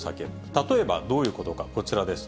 例えばどういうことか、こちらです。